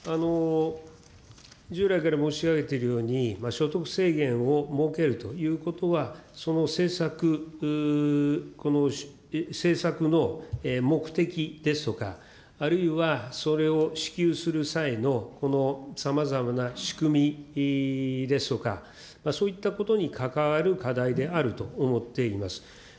従来から申し上げているように、所得制限を設けるということは、その政策、この政策の目的ですとか、あるいはそれを支給する際のこのさまざまな仕組みですとか、そういったことに関わる課題であると思っています。